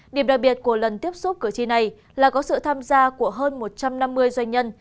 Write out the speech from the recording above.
điểm đặc biệt của lần tiếp xúc cử tri này là có sự tham gia của hơn một trăm năm mươi doanh nhân